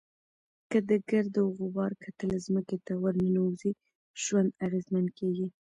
که د ګرد او غبار کتل ځمکې ته ورننوزي، ژوند اغېزمن کېږي.